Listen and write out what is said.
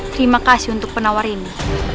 terima kasih untuk penawar ini